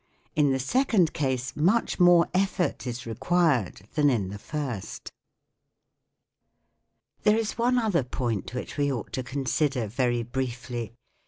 In the second case much more effort is required than in the first. There is one other point which we ought to consider very briefly.